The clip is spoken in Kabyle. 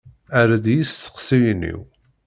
Err-d i yisteqsiyen-iw.